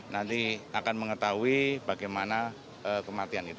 nanti akan mengetahui bagaimana kematian itu